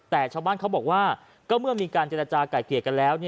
แต่ชาวบ้านเขาบอกว่าก็เมื่อมีการเจรจาก่ายเกลียดกันแล้ว